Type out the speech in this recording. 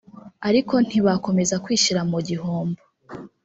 ariko nti bakomeze kwishyira mu gihombo